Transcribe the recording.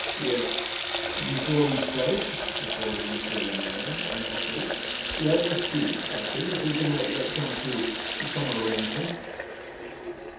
"Yet, before we start," proposed M. Lemaire, anxiously, "let us see, Captain, if we cannot yet come to some arrangement."